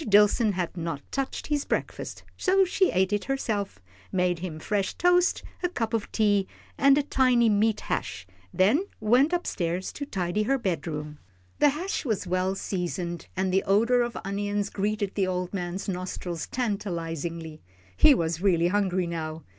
Dillson had not touched his breakfast, so she ate it herself, made him fresh toast, a cup of tea, and a tiny meat hash, then went up stairs to tidy her bedroom. The hash was well seasoned, and the odour of onions greeted the old man's nostrils tantalisingly. He was really hungry now.